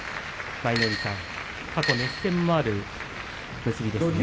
舞の海さん、過去熱戦がある２人ですね。